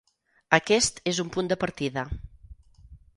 Aquest és un punt de partida.